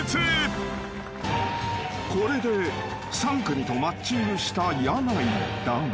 ［これで３組とマッチングした箭内だが］